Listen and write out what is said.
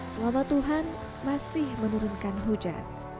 selama tuhan masih menurunkan hujan